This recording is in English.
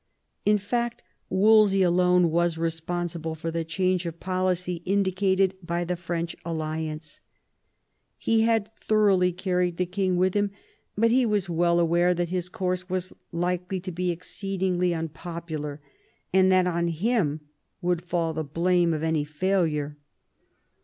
In fact Wolsey alone was responsible for the change of policy indicated by the French alliance. He had thoroughly carried the king with him ; but he was well aware that his course was likely to be exceedingly un popular, and that on him would fall the blame of any failure.